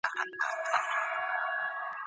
د جنت په شیدو شاتو کې خوږه شوې